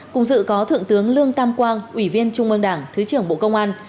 cùng dự có thượng tướng lương tam quang ủy viên trung ương đảng thứ trưởng bộ công an